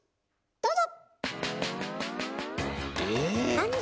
どうぞ！